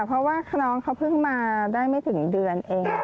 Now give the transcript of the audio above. เพราะว่าน้องเขาเพิ่งมาได้ไม่ถึงเดือนเอง